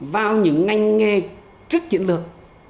vào những ngành nghề rất chiến lược